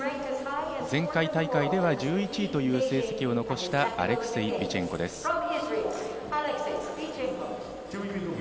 前回大会では１１位という成績を残したアレクセイ・ビチェンコです。